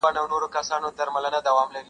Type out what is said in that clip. په لږ وخت کي یې پر ټو له کور لاس تېر کړ -